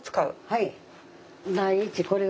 はい。